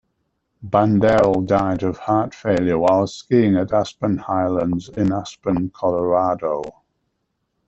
Bandel died of heart failure while skiing at Aspen Highlands in Aspen, Colorado.